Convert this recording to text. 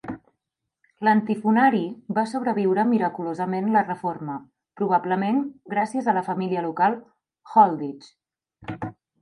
L"antifonari va sobreviure miraculosament la reforma, probablement gràcies a la família local Holdych.